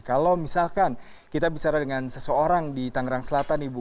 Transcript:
kalau misalkan kita bicara dengan seseorang di tangerang selatan ibu